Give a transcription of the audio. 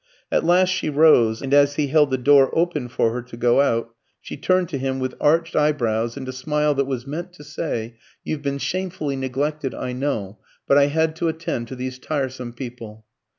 At last she rose, and as he held the door open for her to go out, she turned to him with arched eyebrows and a smile that was meant to say, "You've been shamefully neglected, I know, but I had to attend to these tiresome people."